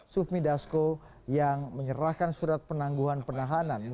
sufmi dasko yang menyerahkan surat penangguhan penahanan